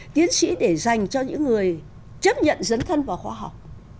tiến sĩ để dành cho những người chấp nhận dấn thân vào khoa học